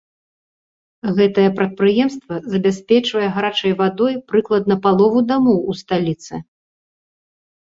Гэтае прадпрыемства забяспечвае гарачай вадой прыкладна палову дамоў у сталіцы.